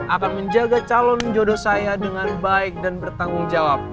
akan menjaga calon jodoh saya dengan baik dan bertanggung jawab